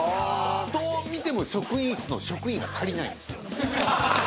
どう見ても職員室の職員が足りないんですよ。